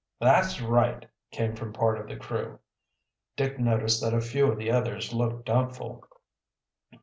"That's right," came from part of the crew. Dick noticed that a few of the others looked doubtful.